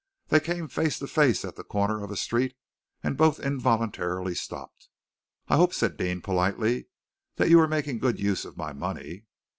They came face to face at the corner of a street, and both involuntarily stopped. "I hope," said Deane, politely, "that you are making good use of my money."